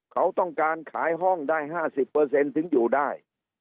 เขาต้องการขายห้องได้๕๐ถึงอยู่ได้